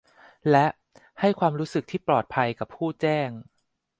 และ ให้ความรู้สึกที่ปลอดภัยกับผู้แจ้ง